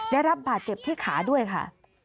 ได้รับบาดเจ็บที่ขาด้วยค่ะ